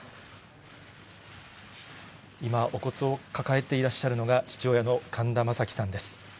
今、お骨を抱えていらっしゃるのが、父親の神田正輝さんです。